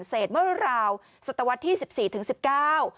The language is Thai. กินให้ดูเลยค่ะว่ามันปลอดภัย